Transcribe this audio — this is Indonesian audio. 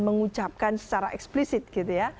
mengucapkan secara eksplisit gitu ya